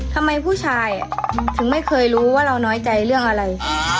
ทำไมผู้ชายถึงไม่เคยรู้ว่าเราน้อยใจเรื่องอะไร